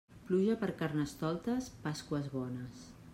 Pluja per Carnestoltes, Pasqües bones.